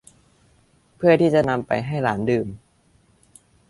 เพื่อที่จะนำไปให้หลานดื่ม